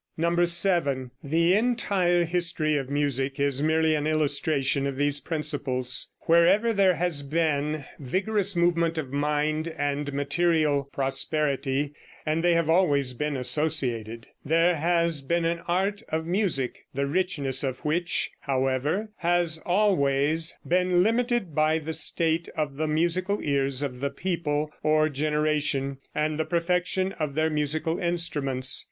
7. The entire history of music is merely an illustration of these principles. Wherever there has been vigorous movement of mind and material prosperity (and they have always been associated) there has been an art of music, the richness of which, however, has always been limited by the state of the musical ears of the people or generation, and the perfection of their musical instruments.